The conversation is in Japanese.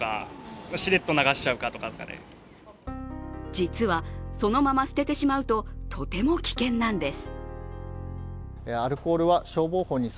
実は、そのまま捨ててしまうと、とても危険なんです。